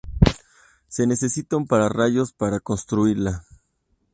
Se necesita un Pararrayos para construirla.